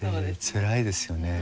つらいですよね。